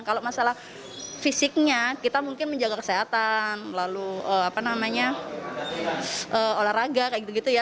kalau masalah fisiknya kita mungkin menjaga kesehatan lalu apa namanya olahraga kayak gitu gitu ya